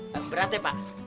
wah berat ya pak